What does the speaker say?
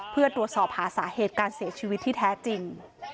เพื่อตรวจสอบหาสาเหตุการเสียชีวิตที่แท้จริง